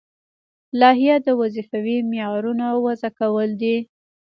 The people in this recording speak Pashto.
لایحه د وظیفوي معیارونو وضع کول دي.